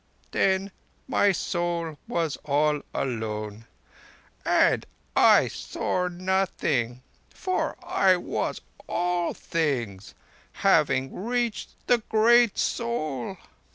Then my Soul was all alone, and I saw nothing, for I was all things, having reached the Great Soul.